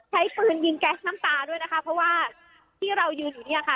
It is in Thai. ใช้ปืนยิงแก๊สน้ำตาด้วยนะคะเพราะว่าที่เรายืนอยู่เนี่ยค่ะ